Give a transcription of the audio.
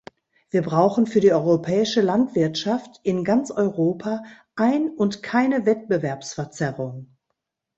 Wir brauchen für die europäische Landwirtschaft in ganz Europa ein und keine Wettbewerbsverzerrung.